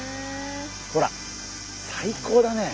ほら最高だね。